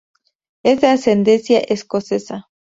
Es de ascendencia escocesa.